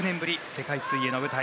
世界水泳の舞台。